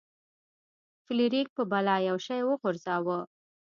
فلیریک په بلا یو شی وغورځاوه.